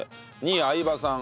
２位相葉さん。